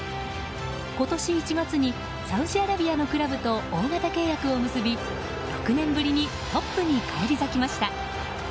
今年１月にサウジアラビアのクラブと大型契約を結び、６年ぶりにトップに返り咲きました。